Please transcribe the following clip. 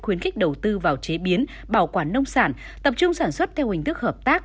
khuyến khích đầu tư vào chế biến bảo quản nông sản tập trung sản xuất theo hình thức hợp tác